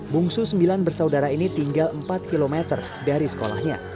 bungsu sembilan bersaudara ini tinggal empat km dari sekolahnya